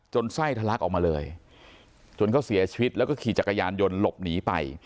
ไส้ทะลักออกมาเลยจนเขาเสียชีวิตแล้วก็ขี่จักรยานยนต์หลบหนีไป